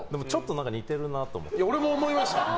俺も思いました。